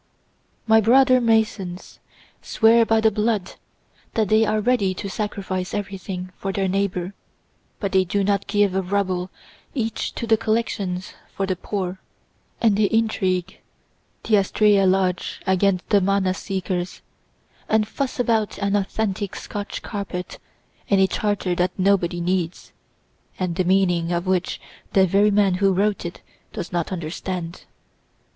My brother Masons swear by the blood that they are ready to sacrifice everything for their neighbor, but they do not give a ruble each to the collections for the poor, and they intrigue, the Astraea Lodge against the Manna Seekers, and fuss about an authentic Scotch carpet and a charter that nobody needs, and the meaning of which the very man who wrote it does not understand.